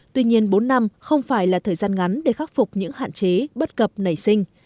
tuy nhiên bốn năm không phải là thời gian ngắn để khắc phục những hạn chế bất cập nảy sinh